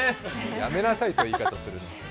やめなさい、そういう言い方するの。